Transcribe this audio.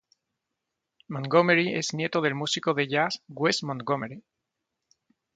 Montgomery es nieto del músico de jazz Wes Montgomery.